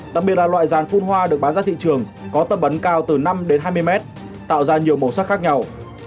đặc biệt là loại dàn phun hoa được bán ra thị trường có tầm bắn cao từ năm đến hai mươi mét tạo ra nhiều màu sắc khác nhau